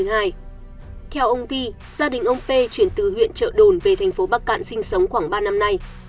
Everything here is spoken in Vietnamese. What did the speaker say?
theo ông vi gia đình ông p chuyển từ huyện trợ đồn về thành phố bắc cạn sinh sống khoảng ba năm nay